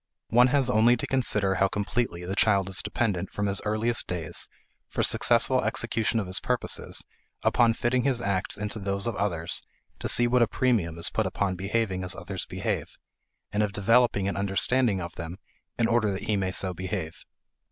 One has only to consider how completely the child is dependent from his earliest days for successful execution of his purposes upon fitting his acts into those of others to see what a premium is put upon behaving as others behave, and of developing an understanding of them in order that he may so behave.